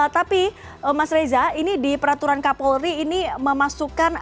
tapi mas reza ini di peraturan kapolri ini memasukkan